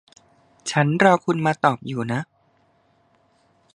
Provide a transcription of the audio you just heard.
ฉันรอคุณมาตอบอยู่นะ